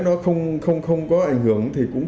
nó không có ảnh hưởng thì cũng